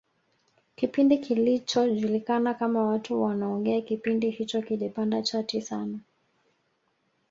kipindi kilichojulikana kama watu wanaongea kipindi hicho kilipanda chati sana